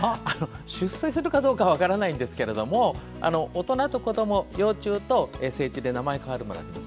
出世するかどうかは分からないんですけども大人と子ども、幼虫と成虫で名前が変わるものがあります。